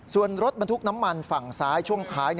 ส่วนรถบรรทุกน้ำมันฝั่งซ้ายช่วงท้าย